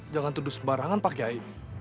jangan tuduh sembarangan pak kiai